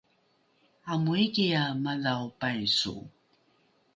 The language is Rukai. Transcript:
amoikiae madhao paiso